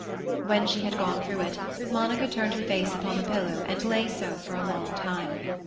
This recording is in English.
When she had gone through it, Monica turned her face upon the pillow and lay so for a long time.